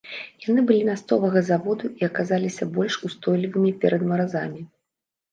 Яны былі мясцовага заводу і аказаліся больш устойлівымі перад маразамі.